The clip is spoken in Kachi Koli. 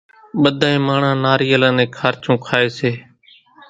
ٻڌانئين ماڻۿان ناريل انين خارچون کائي سي